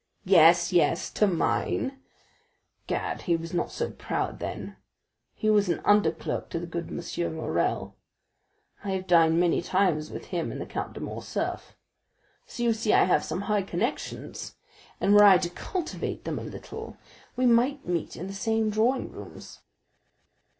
Yes, yes, to mine; gad, he was not so proud then,—he was an under clerk to the good M. Morrel. I have dined many times with him and the Count of Morcerf, so you see I have some high connections and were I to cultivate them a little, we might meet in the same drawing rooms."